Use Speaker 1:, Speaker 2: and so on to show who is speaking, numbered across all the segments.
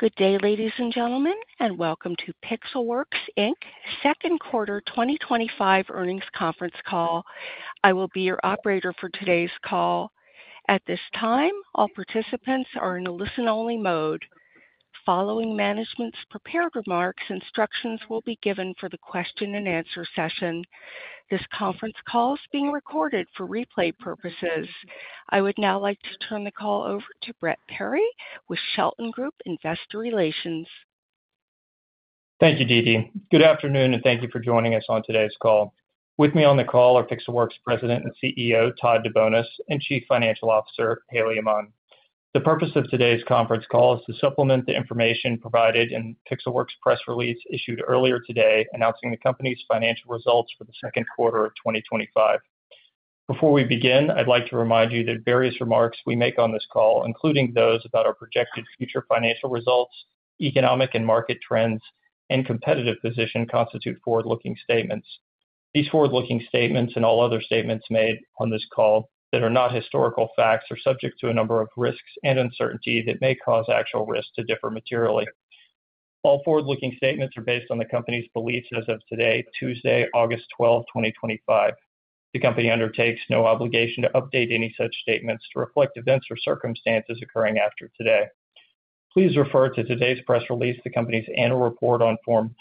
Speaker 1: Good day, ladies and gentlemen, and welcome to Pixelworks Inc.'s Second Quarter 2025 Earnings Conference Call. I will be your operator for today's call. At this time, all participants are in a listen-only mode. Following management's prepared remarks, instructions will be given for the question and answer session. This conference call is being recorded for replay purposes. I would now like to turn the call over to Brett Perry with Shelton Group Investor Relations.
Speaker 2: Thank you, DeeDee. Good afternoon, and thank you for joining us on today's call. With me on the call are Pixelworks President and CEO Todd DeBonis and Chief Financial Officer Haley Aman. The purpose of today's conference call is to supplement the information provided in Pixelworks' press release issued earlier today, announcing the company's financial results for the second quarter of 2025. Before we begin, I'd like to remind you that various remarks we make on this call, including those about our projected future financial results, economic and market trends, and competitive position, constitute forward-looking statements. These forward-looking statements, and all other statements made on this call, are not historical facts or are subject to a number of risks and uncertainty that may cause actual results to differ materially. All forward-looking statements are based on the company's beliefs as of today, Tuesday, August 12, 2025. The company undertakes no obligation to update any such statements to reflect events or circumstances occurring after today. Please refer to today's press release, the company's annual report on Form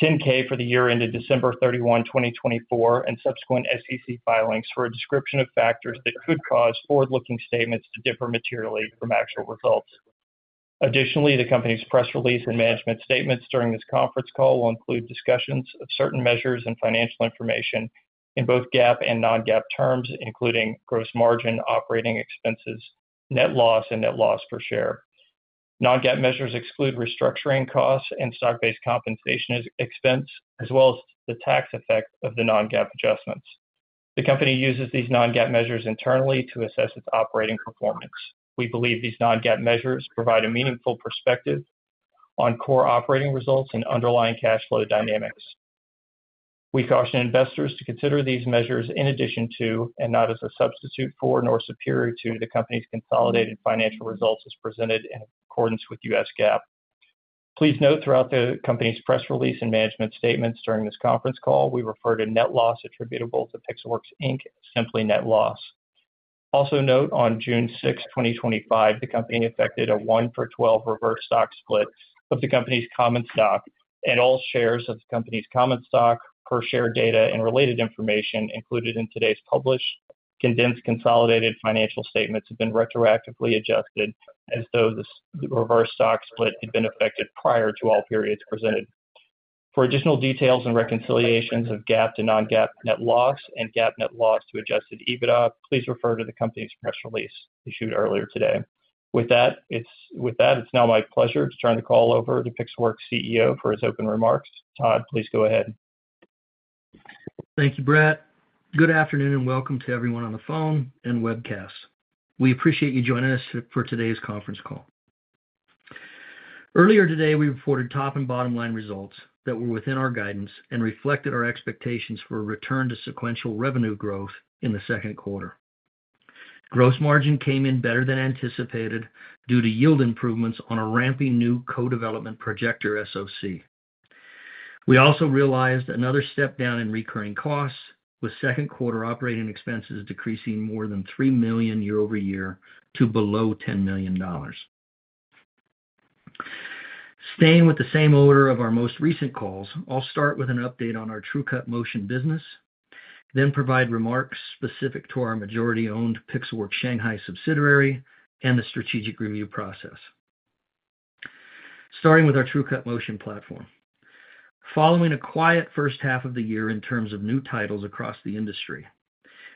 Speaker 2: 10-K for the year ended December 31, 2024, and subsequent SEC filings for a description of factors that could cause forward-looking statements to differ materially from actual results. Additionally, the company's press release and management statements during this conference call will include discussions of certain measures and financial information in both GAAP and non-GAAP terms, including gross margin, operating expenses, net loss, and net loss per share. Non-GAAP measures exclude restructuring costs and stock-based compensation expense, as well as the tax effect of the non-GAAP adjustments. The company uses these non-GAAP measures internally to assess its operating performance. We believe these non-GAAP measures provide a meaningful perspective on core operating results and underlying cash flow dynamics. We caution investors to consider these measures in addition to, and not as a substitute for, nor superior to, the company's consolidated financial results as presented in accordance with U.S. GAAP. Please note throughout the company's press release and management statements during this conference call, we refer to net loss attributable to Pixelworks Inc., simply net loss. Also note, on June 6, 2025, the company effected a 1-for-12 reverse stock split of the company's common stock, and all shares of the company's common stock, per share data and related information included in today's published condensed consolidated financial statements have been retroactively adjusted as though the reverse stock split had been effected prior to all periods presented. For additional details and reconciliations of GAAP to non-GAAP net loss and GAAP net loss to adjusted EBITDA, please refer to the company's press release issued earlier today. With that, it's now my pleasure to turn the call over to Pixelworks' CEO for his open remarks. Please go ahead.
Speaker 3: Thank you, Brett. Good afternoon and welcome to everyone on the phone and webcast. We appreciate you joining us for today's conference call. Earlier today, we reported top and bottom line results that were within our guidance and reflected our expectations for a return to sequential revenue growth in the second quarter. Gross margin came in better than anticipated due to yield improvements on a ramping new co-development projector SoC. We also realized another step down in recurring costs, with second quarter operating expenses decreasing more than $3 million year-over-year to below $10 million. Staying with the same order of our most recent calls, I'll start with an update on our TrueCut Motion business, then provide remarks specific to our majority-owned Pixelworks Shanghai subsidiary and the strategic review process. Starting with our TrueCut Motion platform, following a quiet first half of the year in terms of new titles across the industry,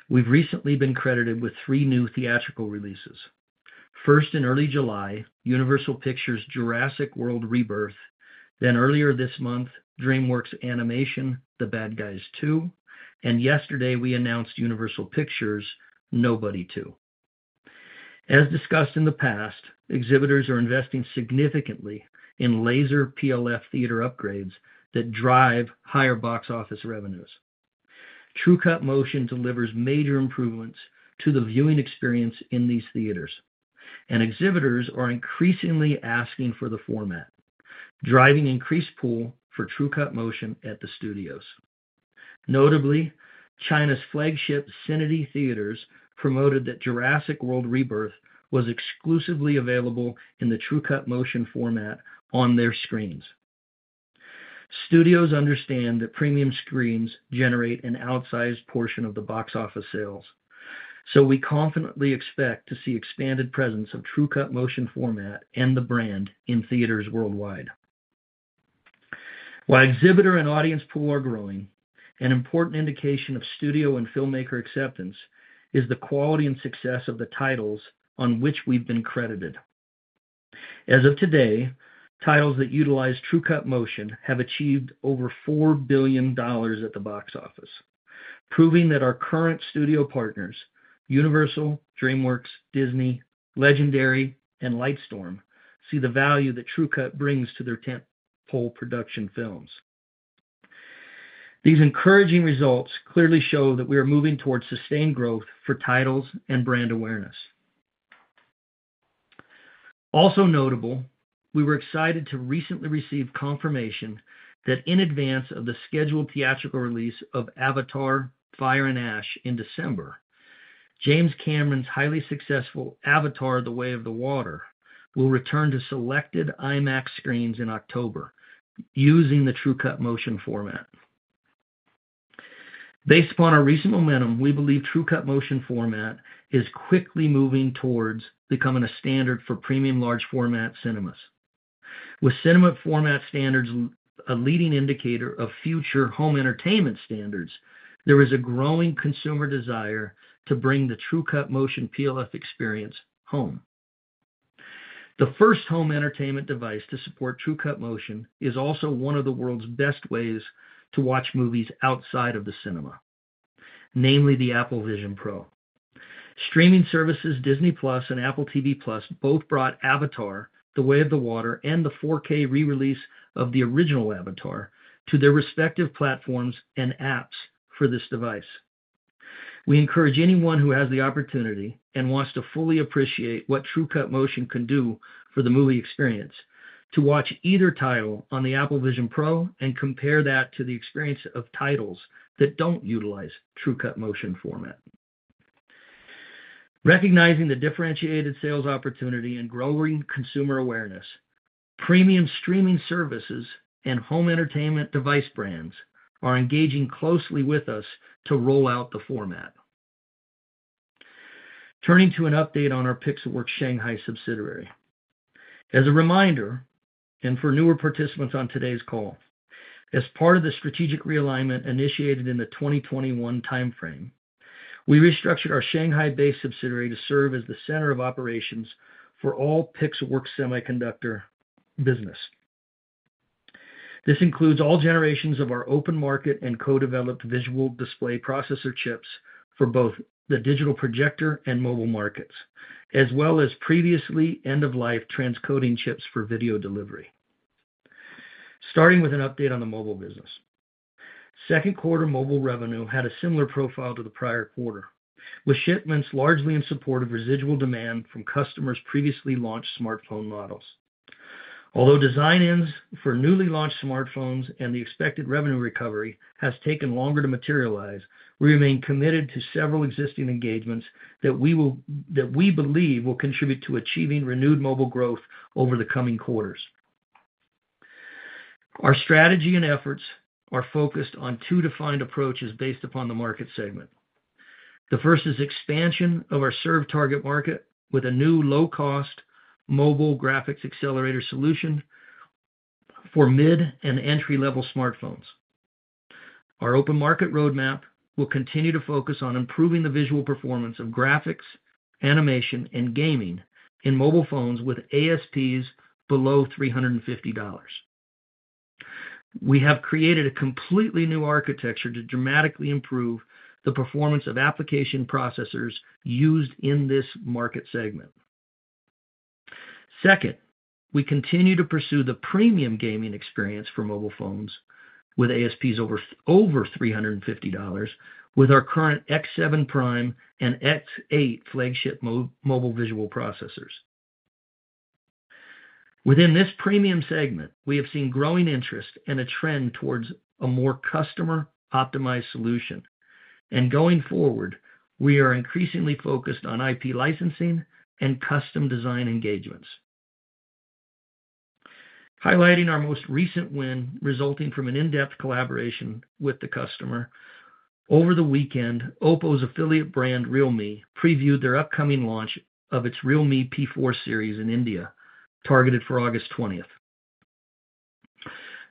Speaker 3: we've recently been credited with three new theatrical releases. First in early July, Universal Pictures' Jurassic World Rebirth, then earlier this month, DreamWorks' animation The Bad Guys 2, and yesterday we announced Universal Pictures' Nobody 2. As discussed in the past, exhibitors are investing significantly in laser PLF theater upgrades that drive higher box office revenues. TrueCut Motion delivers major improvements to the viewing experience in these theaters, and exhibitors are increasingly asking for the format, driving increased pull for TrueCut Motion at the studios. Notably, China's flagship Sineady Theaters promoted that Jurassic World Rebirth was exclusively available in the TrueCut Motion format on their screens. Studios understand that premium screens generate an outsized portion of the box office sales, so we confidently expect to see expanded presence of TrueCut Motion format and the brand in theaters worldwide. While exhibitor and audience pull are growing, an important indication of studio and filmmaker acceptance is the quality and success of the titles on which we've been credited. As of today, titles that utilize TrueCut Motion have achieved over $4 billion at the box office, proving that our current studio partners, Universal, DreamWorks, Disney, Legendary, and Lightstorm, see the value that TrueCut brings to their tentpole production films. These encouraging results clearly show that we are moving towards sustained growth for titles and brand awareness. Also notable, we were excited to recently receive confirmation that in advance of the scheduled theatrical release of Avatar: Fire and Ash in December, James Cameron's highly successful Avatar: The Way of the Water will return to selected IMAX screens in October using the TrueCut Motion format. Based upon our recent momentum, we believe TrueCut Motion format is quickly moving towards becoming a standard for premium large format cinemas. With cinema format standards a leading indicator of future home entertainment standards, there is a growing consumer desire to bring the TrueCut Motion PLF experience home. The first home entertainment device to support TrueCut Motion is also one of the world's best ways to watch movies outside of the cinema, namely the Apple Vision Pro. Streaming services Disney+ and Apple TV+ both brought Avatar: The Way of the Water and the 4K re-release of the original Avatar to their respective platforms and apps for this device. We encourage anyone who has the opportunity and wants to fully appreciate what TrueCut Motion can do for the movie experience to watch either title on the Apple Vision Pro and compare that to the experience of titles that don't utilize TrueCut Motion format. Recognizing the differentiated sales opportunity and growing consumer awareness, premium streaming services and home entertainment device brands are engaging closely with us to roll out the format. Turning to an update on our Pixelworks Shanghai subsidiary. As a reminder, and for newer participants on today's call, as part of the strategic realignment initiated in the 2021 timeframe, we restructured our Shanghai-based subsidiary to serve as the center of operations for all Pixelworks semiconductor business. This includes all generations of our open market and co-developed visual display processor chips for both the digital projector and mobile markets, as well as previously end-of-life transcoding chips for video delivery. Starting with an update on the mobile business, second quarter mobile revenue had a similar profile to the prior quarter, with shipments largely in support of residual demand from customers' previously launched smartphone models. Although design ends for newly launched smartphones and the expected revenue recovery has taken longer to materialize, we remain committed to several existing engagements that we believe will contribute to achieving renewed mobile growth over the coming quarters. Our strategy and efforts are focused on two defined approaches based upon the market segment. The first is expansion of our served target market with a new low-cost mobile graphics accelerator solution for mid and entry-level smartphones. Our open market roadmap will continue to focus on improving the visual performance of graphics, animation, and gaming in mobile phones with ASPs below $350. We have created a completely new architecture to dramatically improve the performance of application processors used in this market segment. Second, we continue to pursue the premium gaming experience for mobile phones with ASPs over $350, with our current X7 Prime and X8 flagship mobile visual processors. Within this premium segment, we have seen growing interest and a trend towards a more customer-optimized solution. Going forward, we are increasingly focused on IP licensing and custom design engagements. Highlighting our most recent win resulting from an in-depth collaboration with the customer, over the weekend, Oppo's affiliate brand Realme previewed their upcoming launch of its Realme P4 series in India, targeted for August 20th.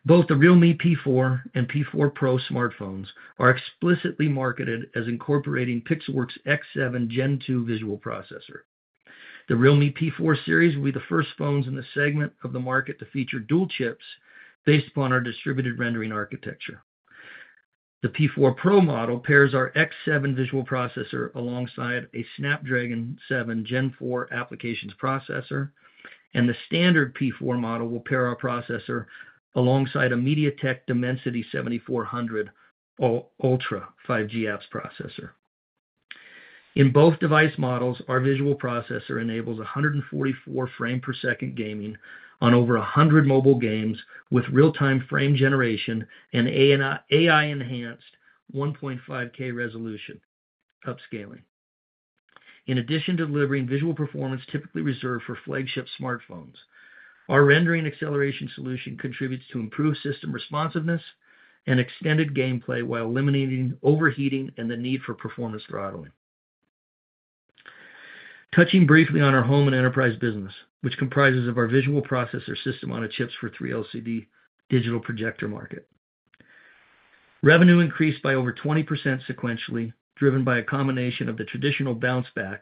Speaker 3: Both the Realme P4 and P4 Pro smartphones are explicitly marketed as incorporating Pixelworks' X7 Gen 2 visual processor. The Realme P4 series will be the first phones in the segment of the market to feature dual chips based upon our distributed rendering architecture. The P4 Pro model pairs our X7 visual processor alongside a Snapdragon 7 Gen 4 applications processor, and the standard P4 model will pair our processor alongside a MediaTek Dimensity 7400 Ultra 5G processor. In both device models, our visual processor enables 144 fps gaming on over 100 mobile games with real-time frame generation and AI-enhanced 1.5K resolution upscaling. In addition to delivering visual performance typically reserved for flagship smartphones, our rendering acceleration solution contributes to improved system responsiveness and extended gameplay while eliminating overheating and the need for performance throttling. Touching briefly on our home and enterprise business, which comprises our visual processor system on a chip for the 3LCD digital projector market, revenue increased by over 20% sequentially, driven by a combination of the traditional bounce back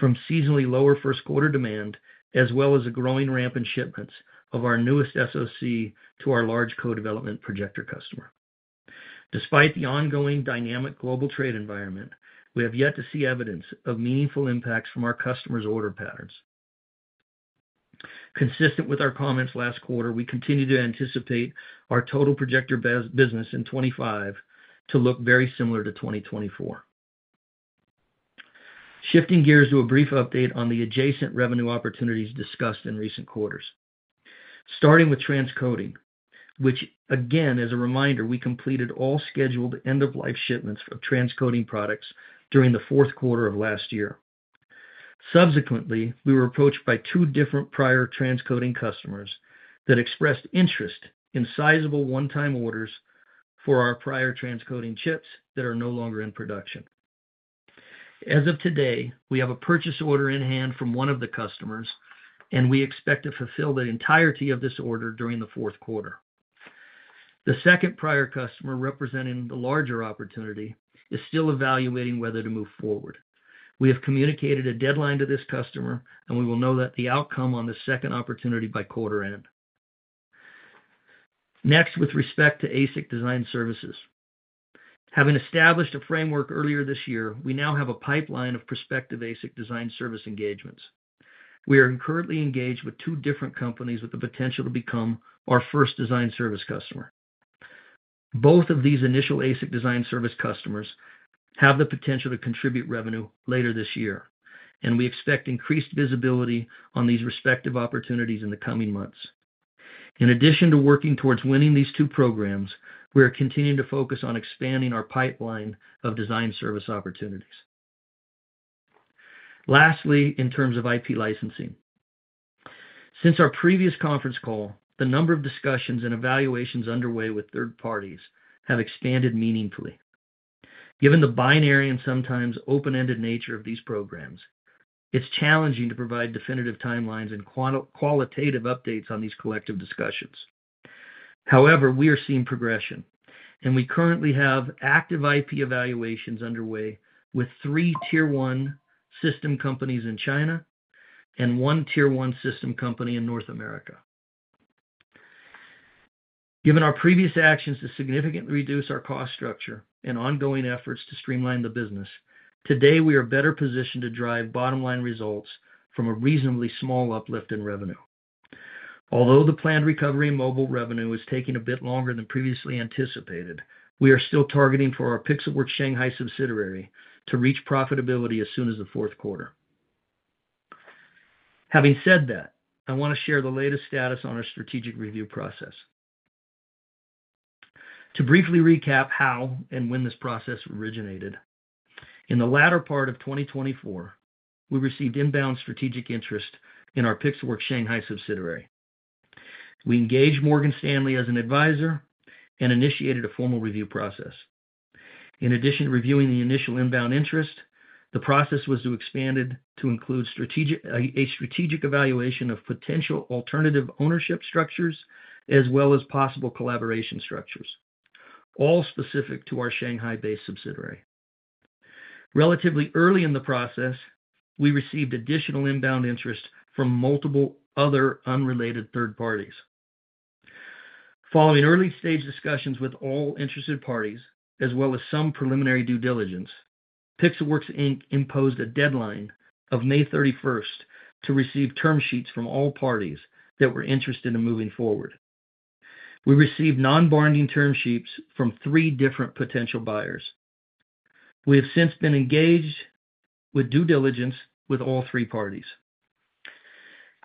Speaker 3: from seasonally lower first quarter demand as well as a growing ramp in shipments of our newest SoC to our large co-development projector customer. Despite the ongoing dynamic global trade environment, we have yet to see evidence of meaningful impacts from our customers' order patterns. Consistent with our comments last quarter, we continue to anticipate our total projector business in 2025 to look very similar to 2024. Shifting gears to a brief update on the adjacent revenue opportunities discussed in recent quarters. Starting with transcoding, which again, as a reminder, we completed all scheduled end-of-life shipments of transcoding products during the fourth quarter of last year. Subsequently, we were approached by two different prior transcoding customers that expressed interest in sizable one-time orders for our prior transcoding chips that are no longer in production. As of today, we have a purchase order in hand from one of the customers, and we expect to fulfill the entirety of this order during the fourth quarter. The second prior customer representing the larger opportunity is still evaluating whether to move forward. We have communicated a deadline to this customer, and we will know the outcome on the second opportunity by quarter end. Next, with respect to ASIC design services, having established a framework earlier this year, we now have a pipeline of prospective ASIC design service engagements. We are currently engaged with two different companies with the potential to become our first design service customer. Both of these initial ASIC design service customers have the potential to contribute revenue later this year, and we expect increased visibility on these respective opportunities in the coming months. In addition to working towards winning these two programs, we are continuing to focus on expanding our pipeline of design service opportunities. Lastly, in terms of IP licensing, since our previous conference call, the number of discussions and evaluations underway with third parties has expanded meaningfully. Given the binary and sometimes open-ended nature of these programs, it's challenging to provide definitive timelines and qualitative updates on these collective discussions. However, we are seeing progression, and we currently have active IP evaluations underway with three Tier 1 system companies in China and one Tier 1 system company in North America. Given our previous actions to significantly reduce our cost structure and ongoing efforts to streamline the business, today we are better positioned to drive bottom-line results from a reasonably small uplift in revenue. Although the planned recovery in mobile revenue is taking a bit longer than previously anticipated, we are still targeting for our Pixelworks Shanghai subsidiary to reach profitability as soon as the fourth quarter. Having said that, I want to share the latest status on our strategic review process. To briefly recap how and when this process originated, in the latter part of 2024, we received inbound strategic interest in our Pixelworks Shanghai subsidiary. We engaged Morgan Stanley as an advisor and initiated a formal review process. In addition to reviewing the initial inbound interest, the process was expanded to include a strategic evaluation of potential alternative ownership structures as well as possible collaboration structures, all specific to our Shanghai-based subsidiary. Relatively early in the process, we received additional inbound interest from multiple other unrelated third parties. Following early-stage discussions with all interested parties, as well as some preliminary due diligence, Pixelworks Inc. imposed a deadline of May 31 to receive term sheets from all parties that were interested in moving forward. We received non-binding term sheets from three different potential buyers. We have since been engaged with due diligence with all three parties.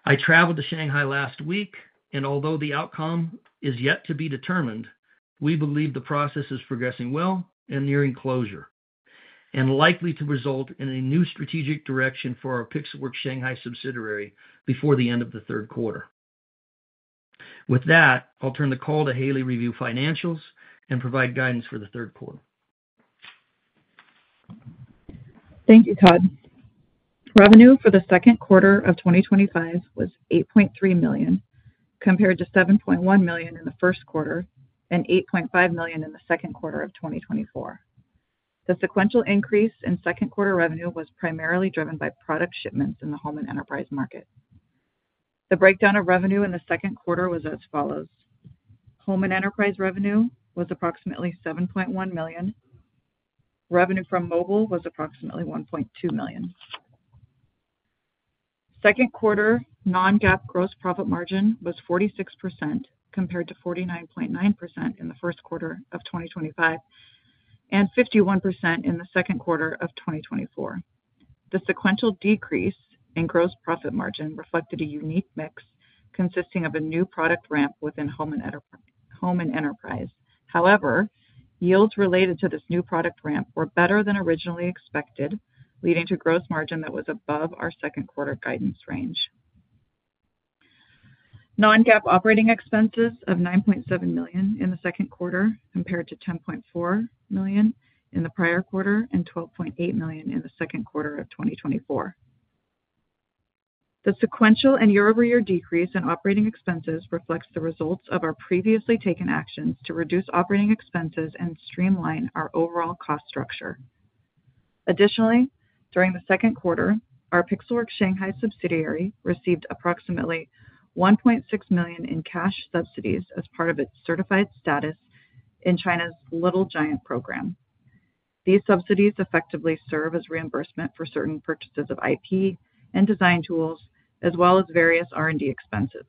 Speaker 3: I traveled to Shanghai last week, and although the outcome is yet to be determined, we believe the process is progressing well and nearing closure and likely to result in a new strategic direction for our Pixelworks Shanghai subsidiary before the end of the third quarter. With that, I'll turn the call to Haley to review financials and provide guidance for the third quarter.
Speaker 4: Thank you, Todd. Revenue for the second quarter of 2025 was $8.3 million, compared to $7.1 million in the first quarter and $8.5 million in the second quarter of 2024. The sequential increase in second quarter revenue was primarily driven by product shipments in the home and enterprise market. The breakdown of revenue in the second quarter was as follows: home and enterprise revenue was approximately $7.1 million. Revenue from mobile was approximately $1.2 million. Second quarter non-GAAP gross profit margin was 46%, compared to 49.9% in the first quarter of 2025 and 51% in the second quarter of 2024. The sequential decrease in gross profit margin reflected a unique mix consisting of a new product ramp within home and enterprise. However, yields related to this new product ramp were better than originally expected, leading to gross margin that was above our second quarter guidance range. Non-GAAP operating expenses of $9.7 million in the second quarter, compared to $10.4 million in the prior quarter, and $12.8 million in the second quarter of 2024. The sequential and year-over-year decrease in operating expenses reflects the results of our previously taken actions to reduce operating expenses and streamline our overall cost structure. Additionally, during the second quarter, our Pixelworks Shanghai subsidiary received approximately $1.6 million in cash subsidies as part of its certified status in China's Little Giant program. These subsidies effectively serve as reimbursement for certain purchases of IP and design tools, as well as various R&D expenses.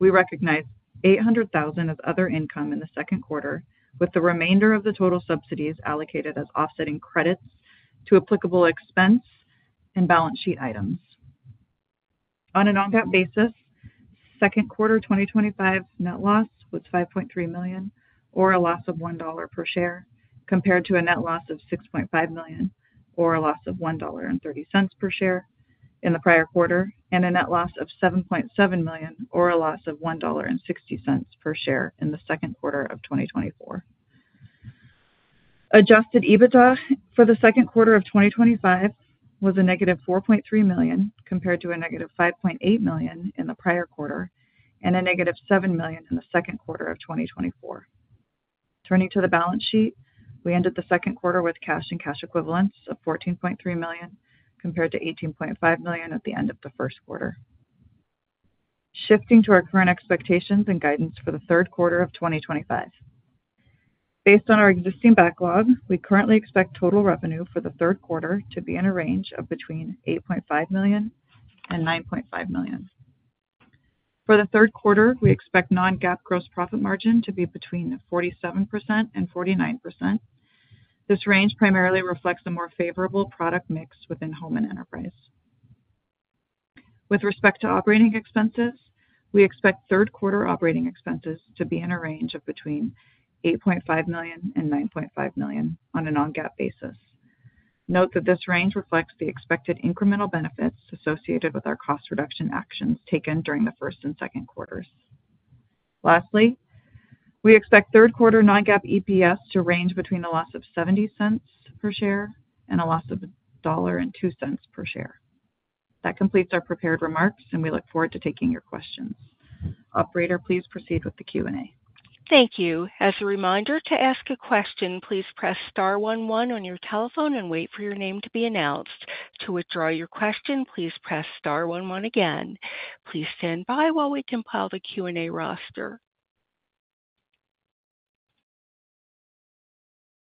Speaker 4: We recognized $800,000 of other income in the second quarter, with the remainder of the total subsidies allocated as offsetting credits to applicable expense and balance sheet items. On a non-GAAP basis, second quarter 2025 net loss was $5.3 million, or a loss of $1 per share, compared to a net loss of $6.5 million, or a loss of $1.30 per share in the prior quarter, and a net loss of $7.7 million, or a loss of $1.60 per share in the second quarter of 2024. Adjusted EBITDA for the second quarter of 2025 was a negative $4.3 million, compared to a negative $5.8 million in the prior quarter, and a negative $7 million in the second quarter of 2024. Turning to the balance sheet, we ended the second quarter with cash and cash equivalents of $14.3 million, compared to $18.5 million at the end of the first quarter. Shifting to our current expectations and guidance for the third quarter of 2025. Based on our existing backlog, we currently expect total revenue for the third quarter to be in a range of between $8.5 million and $9.5 million. For the third quarter, we expect non-GAAP gross profit margin to be between 47% and 49%. This range primarily reflects a more favorable product mix within home and enterprise. With respect to operating expenses, we expect third quarter operating expenses to be in a range of between $8.5 million and $9.5 million on a non-GAAP basis. Note that this range reflects the expected incremental benefits associated with our cost reduction actions taken during the first and second quarters. Lastly, we expect third quarter non-GAAP EPS to range between a loss of $0.70 per share and a loss of $1.02 per share. That completes our prepared remarks, and we look forward to taking your questions. Operator, please proceed with the Q&A.
Speaker 1: Thank you. As a reminder, to ask a question, please press star 11 on your telephone and wait for your name to be announced. To withdraw your question, please press star 11 again. Please stand by while we compile the Q&A roster.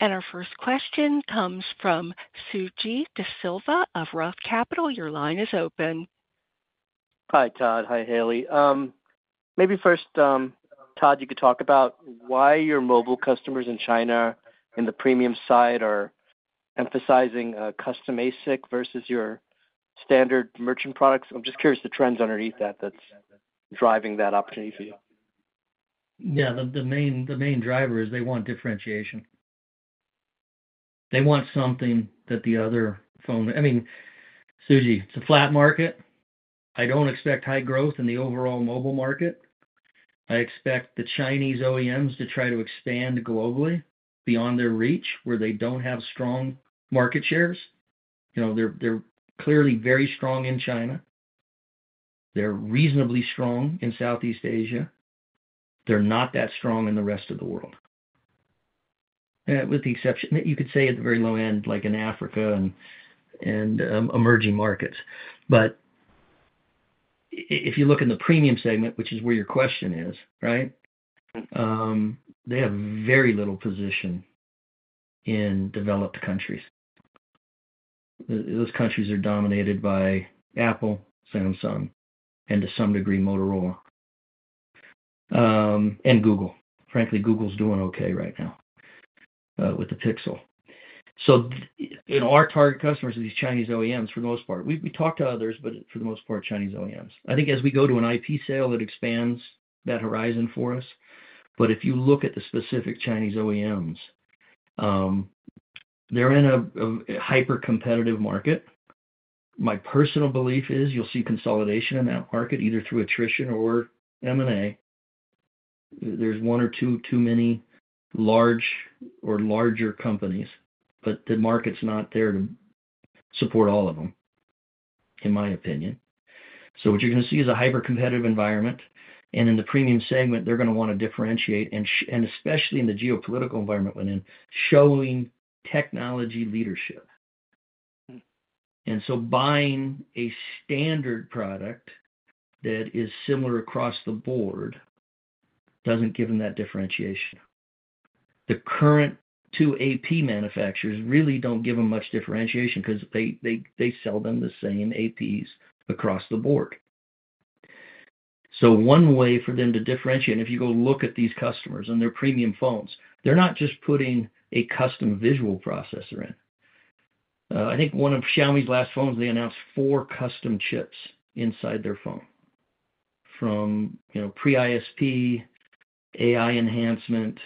Speaker 1: Our first question comes from Suji Desilva of ROTH Capital. Your line is open.
Speaker 5: Hi, Todd. Hi, Haley. Maybe first, Todd, you could talk about why your mobile customers in China in the premium side are emphasizing a custom ASIC versus your standard merchant products. I'm just curious the trends underneath that that's driving that opportunity for you.
Speaker 3: Yeah, the main driver is they want differentiation. They want something that the other phone—I mean, Suji, it's a flat market. I don't expect high growth in the overall mobile market. I expect the Chinese OEMs to try to expand globally beyond their reach where they don't have strong market shares. They're clearly very strong in China. They're reasonably strong in Southeast Asia. They're not that strong in the rest of the world, with the exception that you could say at the very low end, like in Africa and emerging markets. If you look in the premium segment, which is where your question is, right, they have very little position in developed countries. Those countries are dominated by Apple, Samsung, and to some degree, Motorola and Google. Frankly, Google's doing OK right now with the Pixel. Our target customers are these Chinese OEMs for the most part. We talk to others, but for the most part, Chinese OEMs. I think as we go to an IP sale, it expands that horizon for us. If you look at the specific Chinese OEMs, they're in a hyper-competitive market. My personal belief is you'll see consolidation in that market either through attrition or M&A. There's one or two too many large or larger companies, but the market's not there to support all of them, in my opinion. What you're going to see is a hyper-competitive environment. In the premium segment, they're going to want to differentiate, and especially in the geopolitical environment we're in, showing technology leadership. Buying a standard product that is similar across the board doesn't give them that differentiation. The current two AP manufacturers really don't give them much differentiation because they sell them the same APs across the board. One way for them to differentiate, and if you go look at these customers and their premium phones, they're not just putting a custom visual processor in. I think one of Xiaomi's last phones, they announced four custom chips inside their phone from pre-ISP, AI enhancement,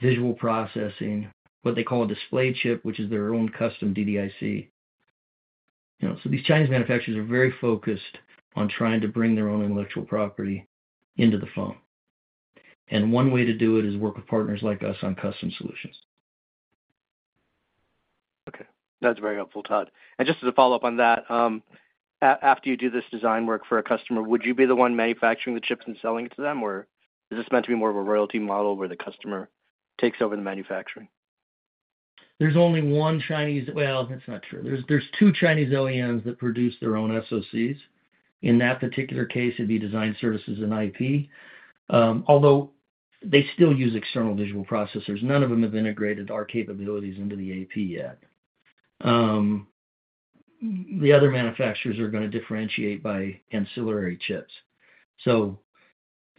Speaker 3: visual processing, what they call a display chip, which is their own custom DDIC. These Chinese manufacturers are very focused on trying to bring their own intellectual property into the phone. One way to do it is work with partners like us on custom solutions.
Speaker 5: OK, that's very helpful, Todd. Just as a follow-up on that, after you do this design work for a customer, would you be the one manufacturing the chips and selling it to them, or is this meant to be more of a royalty model where the customer takes over the manufacturing?
Speaker 3: There are only two Chinese OEMs that produce their own SoCs. In that particular case, it'd be design services and IP, although they still use external visual processors. None of them have integrated our capabilities into the AP yet. The other manufacturers are going to differentiate by ancillary chips. To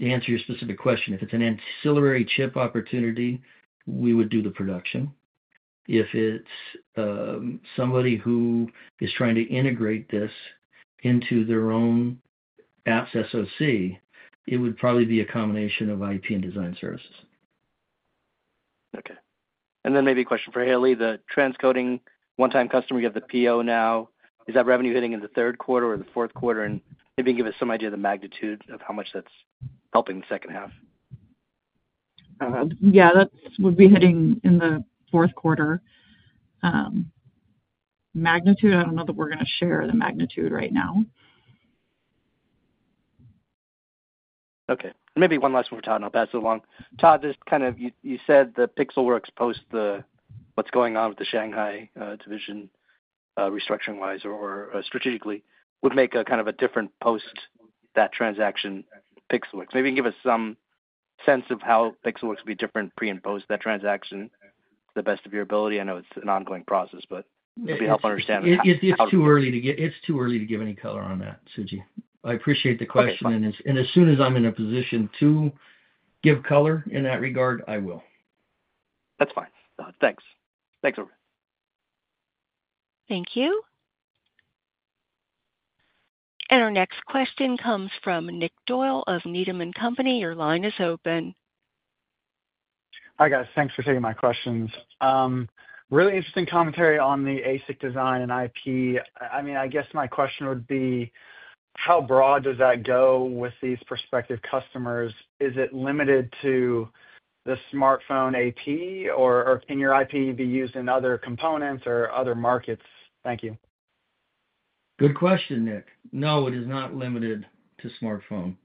Speaker 3: answer your specific question, if it's an ancillary chip opportunity, we would do the production. If it's somebody who is trying to integrate this into their own AP's SoC, it would probably be a combination of IP and design services.
Speaker 5: OK. Maybe a question for Haley. The transcoding one-time customer, you have the PO now. Is that revenue hitting in the third quarter or the fourth quarter? Maybe you can give us some idea of the magnitude of how much that's helping the second half.
Speaker 4: Yeah, that would be hitting in the fourth quarter. Magnitude, I don't know that we're going to share the magnitude right now.
Speaker 5: OK. Maybe one last one for Todd, and I'll pass it along. Todd, you said the Pixelworks post the what's going on with the Shanghai division restructuring-wise or strategically would make a kind of a different post that transaction Pixelworks. Maybe you can give us some sense of how Pixelworks would be different pre and post that transaction to the best of your ability. I know it's an ongoing process, but it would be helpful to understand.
Speaker 3: It's too early to give any color on that, Suji. I appreciate the question. As soon as I'm in a position to give color in that regard, I will.
Speaker 5: That's fine. Thanks, everyone.
Speaker 1: Thank you. Our next question comes from Nick Doyle of Needham & Company. Your line is open.
Speaker 6: Hi, guys. Thanks for taking my questions. Really interesting commentary on the ASIC design and IP. I mean, I guess my question would be, how broad does that go with these prospective customers? Is it limited to the smartphone AP, or can your IP be used in other components or other markets? Thank you.
Speaker 3: Good question, Nick. No, it is not limited to smartphone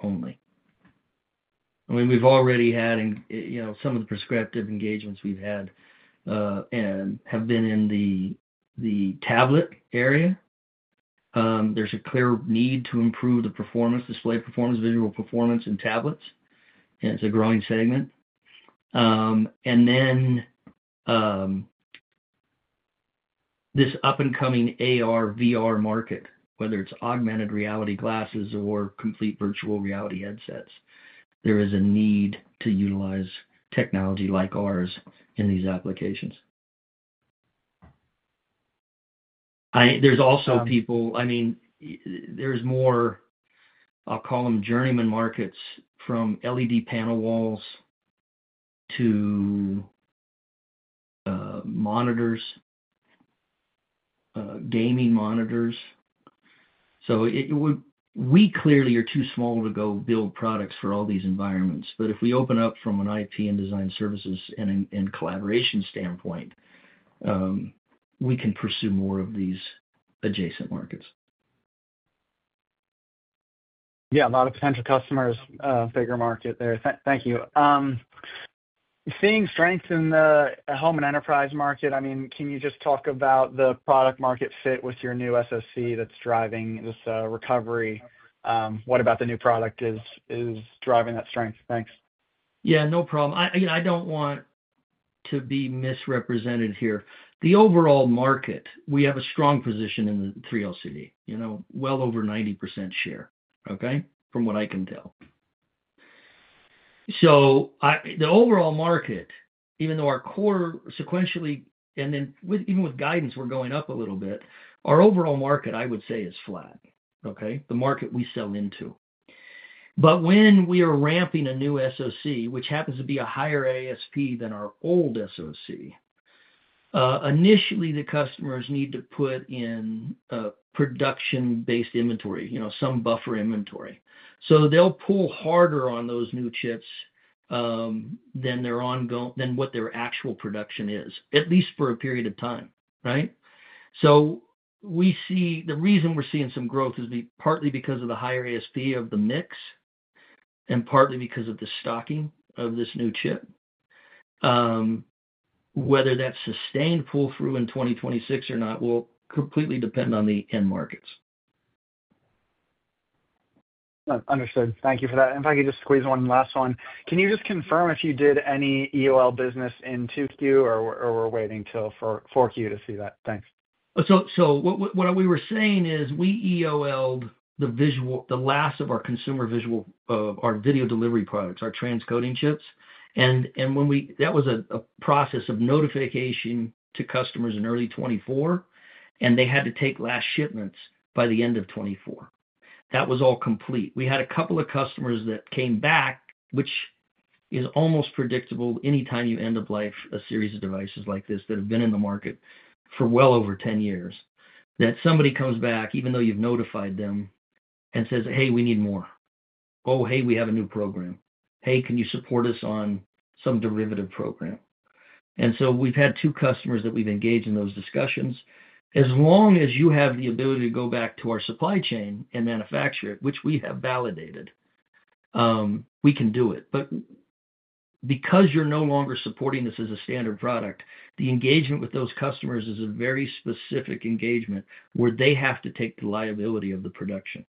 Speaker 3: only. We've already had some of the prescriptive engagements we've had in the tablet area. There's a clear need to improve the performance, display performance, visual performance in tablets, and it's a growing segment. This up-and-coming AR/VR market, whether it's augmented reality glasses or complete virtual reality headsets, there is a need to utilize technology like ours in these applications. There's also more, I'll call them journeyman markets, from LED panel walls to monitors, gaming monitors. We clearly are too small to go build products for all these environments. If we open up from an IP and design services and collaboration standpoint, we can pursue more of these adjacent markets.
Speaker 6: Yeah, a lot of potential customers, a bigger market there. Thank you. Seeing strength in the home and enterprise market, can you just talk about the product market fit with your new SoC that's driving this recovery? What about the new product is driving that strength? Thanks.
Speaker 3: Yeah, no problem. I don't want to be misrepresented here. The overall market, we have a strong position in the 3LCD, well over 90% share, OK, from what I can tell. The overall market, even though our core sequentially, and then even with guidance, we're going up a little bit, our overall market, I would say, is flat, OK, the market we sell into. When we are ramping a new SoC, which happens to be a higher ASP than our old SoC, initially, the customers need to put in a production-based inventory, some buffer inventory. They'll pull harder on those new chips than what their actual production is, at least for a period of time, right? We see the reason we're seeing some growth is partly because of the higher ASP of the mix and partly because of the stocking of this new chip. Whether that sustained pull-through in 2026 or not will completely depend on the end markets.
Speaker 6: Understood. Thank you for that. If I could just squeeze one last one, can you just confirm if you did any EOL business in 2Q, or we're waiting till 4Q to see that? Thanks.
Speaker 3: What we were saying is we EOLed the last of our consumer visual video delivery products, our transcoding chips. That was a process of notification to customers in early 2024, and they had to take last shipments by the end of 2024. That was all complete. We had a couple of customers that came back, which is almost predictable anytime you end of life a series of devices like this that have been in the market for well over 10 years, that somebody comes back, even though you've notified them, and says, hey, we need more. Oh, hey, we have a new program. Hey, can you support us on some derivative program? We've had two customers that we've engaged in those discussions. As long as you have the ability to go back to our supply chain and manufacture it, which we have validated, we can do it. Because you're no longer supporting this as a standard product, the engagement with those customers is a very specific engagement where they have to take the liability of the production.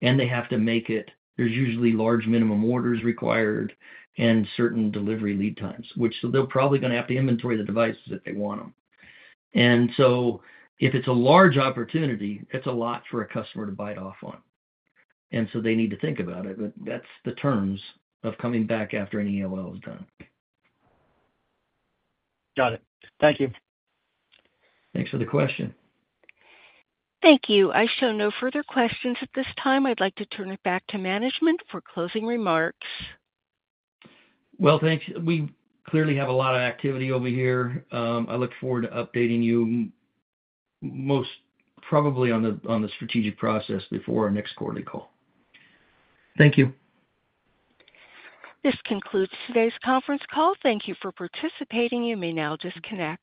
Speaker 3: They have to make it. There are usually large minimum orders required and certain delivery lead times, which they're probably going to have to inventory the devices if they want them. If it's a large opportunity, it's a lot for a customer to bite off on. They need to think about it. That's the terms of coming back after an EOL is done.
Speaker 6: Got it. Thank you.
Speaker 3: Thanks for the question.
Speaker 1: Thank you. I show no further questions at this time. I'd like to turn it back to management for closing remarks.
Speaker 3: Thanks. We clearly have a lot of activity over here. I look forward to updating you most probably on the strategic process before our next quarterly call. Thank you.
Speaker 1: This concludes today's conference call. Thank you for participating. You may now disconnect.